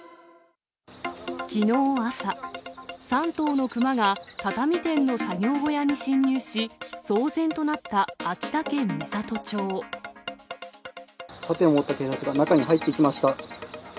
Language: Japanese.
きのう朝、３頭のクマが畳店の作業小屋に侵入し、盾を持った警察が、中に入っていきました。